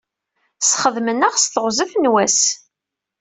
Sxedmen-aɣ s teɣzef n wass.